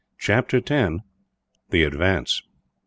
Chapter 10: The Advance.